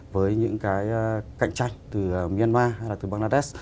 với những cái cạnh tranh từ myanmar hay là từ bangladesh